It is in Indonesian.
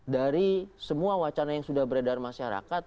dari semua wacana yang sudah beredar masyarakat